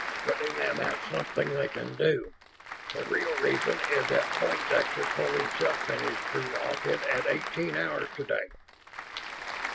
"Putting them at something they can do. The real reason is that Poindexter pulled himself and his crew off it at eighteen hours today."